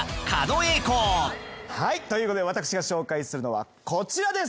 はいということで私が紹介するのはこちらです。